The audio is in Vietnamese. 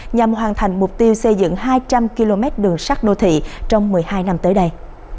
nhằm hoàn thành mục tiêu xây dựng hai trăm linh km đường sắt đô thị trong một mươi hai năm tới đây